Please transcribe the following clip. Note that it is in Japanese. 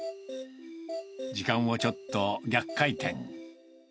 時間をちょっと逆回転。